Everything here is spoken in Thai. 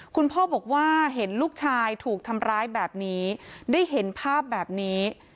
คุณพ่อบอกว่าเห็นลูกชายถูกทำร้ายแบบนี้ได้เห็นภาพแบบนี้